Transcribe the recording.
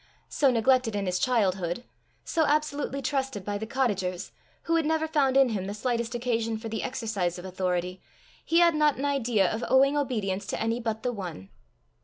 So neglected in his childhood, so absolutely trusted by the cottagers, who had never found in him the slightest occasion for the exercise of authority, he had not an idea of owing obedience to any but the One.